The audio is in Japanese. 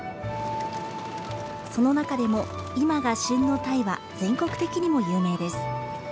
その中でも、今が旬のタイは全国的にも有名です。